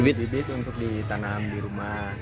bibit bibit untuk ditanam di rumah